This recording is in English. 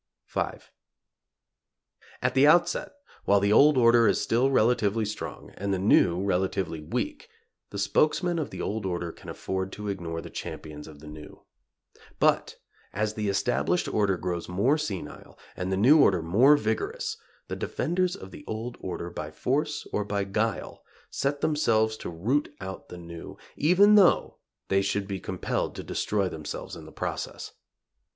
V. At the outset, while the old order is still relatively strong, and the new relatively weak, the spokesmen of the old order can afford to ignore the champions of the new. But as the established order grows more senile and the new order more vigorous, the defenders of the old order, by force or by guile, set themselves to root out the new, even though they should be compelled to destroy themselves in the process.